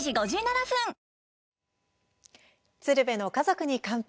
「鶴瓶の家族に乾杯」